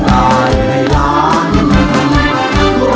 ได้ครับ